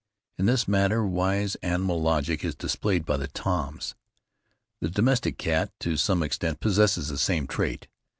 In this matter wise animal logic is displayed by the Toms. The domestic cat, to some extent, possesses the same trait.